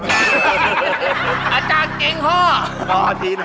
อาจารย์จริงห้อ